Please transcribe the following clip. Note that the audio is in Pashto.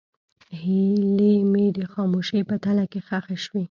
هیلې مې د خاموشۍ په تله کې ښخې شوې.